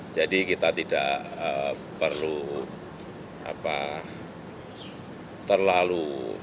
jadi kita tidak perlu terlalu